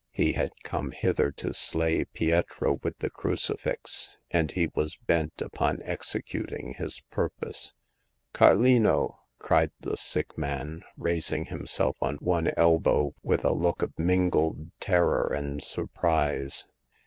He had come hither to slay Pietro with the crucifix, and he was bent upon executing his purpose. Carlino !" cried the sick man, raising him self on one elbow with a look of mingled terror and surprise.